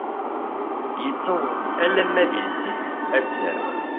Yettaweḍ-d alamma d iles-is ad terr.